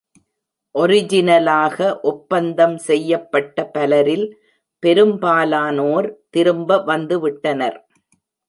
ஒரிஜினலாக ஒப்பந்தம் செய்யப்பட்ட பலரில் பெரும்பாலானோர் திரும்ப வந்துவிட்டனர்.